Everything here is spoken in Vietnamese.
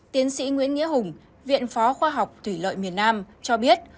tiến sĩ nguyễn nghĩa hùng viện phó khoa học thủy lợi miền nam cho biết